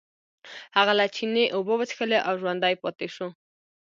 هغه له چینې اوبه وڅښلې او ژوندی پاتې شو.